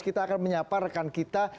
kita akan menyapa rekan kita